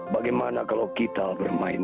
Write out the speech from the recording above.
bagaimana kalau kita bermain